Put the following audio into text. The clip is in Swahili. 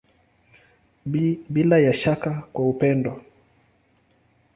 Bila ya shaka kwa upendo.